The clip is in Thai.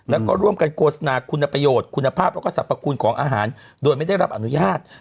แล้วก็ร่วมกันโฆษณาคุณประโยชน์คุณภาพแล้วก็สรรพคุณของอาหารโดยไม่ได้รับอนุญาต